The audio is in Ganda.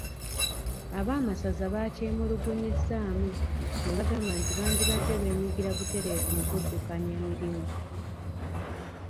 Ab'amasaza baakyemulugunyizzaamu ne bagamba nti bandibadde beenyigira butereevu mu kuddukanya emirimu.